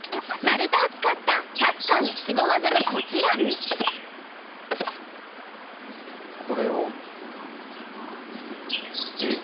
丸太を使ったタスカーのすご技がこちらこれを？